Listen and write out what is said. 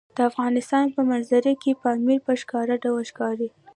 د افغانستان په منظره کې پامیر په ښکاره ډول ښکاري.